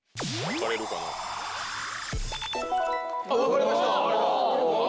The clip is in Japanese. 分かれました！